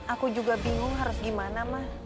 aku juga bingung harus gimana mah